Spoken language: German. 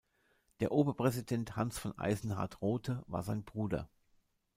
Der Oberpräsident Hans von Eisenhart-Rothe war sein Bruder.